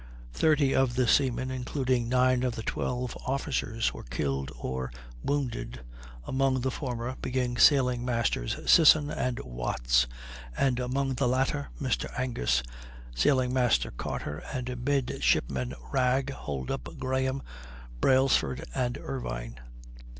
Thirty of the seamen, including nine of the twelve officers, were killed or wounded among the former being Sailing masters Sisson and Watts, and among the latter Mr. Angus, Sailing master Carter, and Midshipmen Wragg, Holdup, Graham, Brailesford, and Irvine.